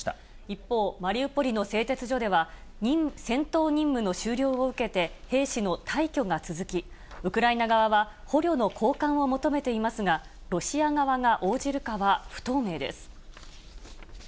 一方、マリウポリの製鉄所では、戦闘任務の終了を受けて、兵士の退去が続き、ウクライナ側は、捕虜の交換を求めていますが、ロシア側が応じるかは不透明です。